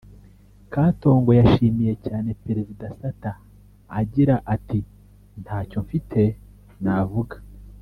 Katongo yashimiye cyane Perezida Sata agira ati “ Nta cyo mfite navuga